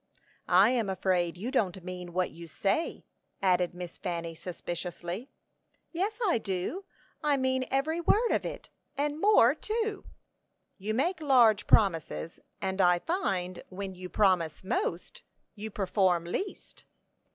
"I am afraid you don't mean what you say," added Miss Fanny, suspiciously. "Yes, I do; I mean every word of it, and more too." "You make large promises; and I find when you promise most, you perform least."